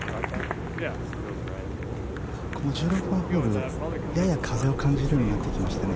１６番ホールやや風を感じるようになってきましたね。